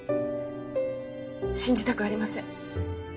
信じたくありません。